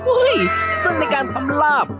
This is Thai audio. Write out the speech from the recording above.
อุ๊ยซึ่งในการทำลาบ